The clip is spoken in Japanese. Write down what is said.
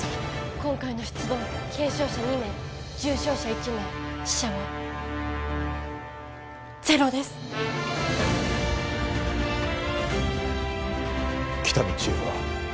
今回の出動軽傷者２名重傷者１名死者はゼロです喜多見チーフは？